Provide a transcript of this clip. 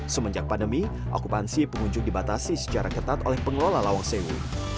semenjak pandemi okupansi pengunjung dibatasi secara ketat oleh pengelola lawang sewu